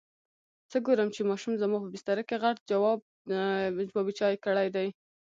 څه ګورم چې ماشوم زما په بستره کې غټ جواب چای کړی دی.